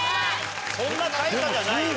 そんな大差じゃないよ。